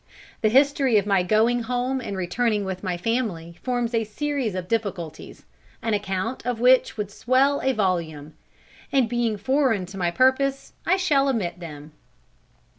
The history of my going home and returning with my family forms a series of difficulties, an account of which would swell a volume. And being foreign to my purpose I shall omit them."